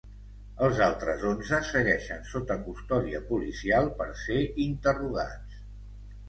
Els altres onze segueixen sota custòdia policial per ser interrogats.